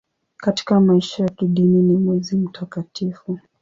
Katika maisha ya kidini ni mwezi mtakatifu.